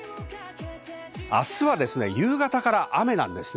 明日は夕方から雨です。